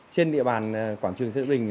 trên địa bàn quảng trường sơn vật động